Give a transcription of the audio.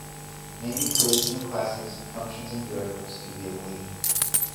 Naming collision of classes, functions and variables can be avoided.